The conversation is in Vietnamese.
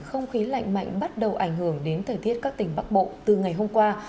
không khí lạnh mạnh bắt đầu ảnh hưởng đến thời tiết các tỉnh bắc bộ từ ngày hôm qua